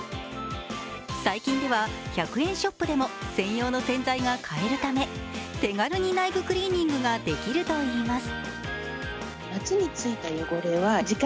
最近では１００円ショップでも専用の洗剤が買えるため手軽に内部クリーニングができるといいます。